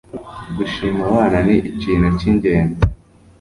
Gushima abana ni ikintu cyingenzi.